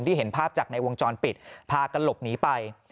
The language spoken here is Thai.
เห็นภาพจากในวงจรปิดพากันหลบหนีไป